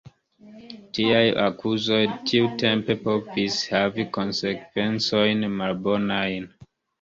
Tiaj akuzoj tiutempe povis havi konsekvencojn malbonajn.